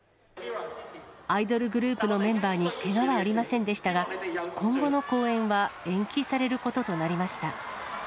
アイドルグループのメンバーにけがはありませんでしたが、今後の公演は延期されることとなりました。